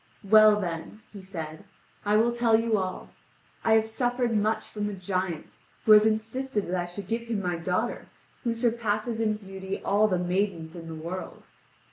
"Well, then," he said, "I will tell you all. I have suffered much from a giant, who has insisted that I should give him my daughter, who surpasses in beauty all the maidens in the world.